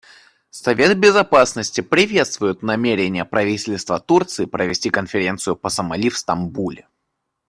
Совет Безопасности приветствует намерение правительства Турции провести конференцию по Сомали в Стамбуле.